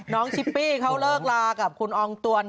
น้องฉิปปี้เขาเลิกราวกับคุณอองตวน